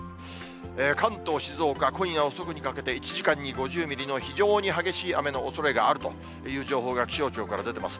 関東、静岡、今夜遅くにかけて、１時間に５０ミリの非常に激しい雨のおそれがあるという情報が気象庁から出てます。